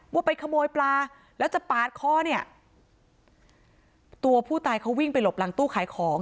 ว่าไปขโมยปลาแล้วจะปาดคอเนี่ยตัวผู้ตายเขาวิ่งไปหลบหลังตู้ขายของ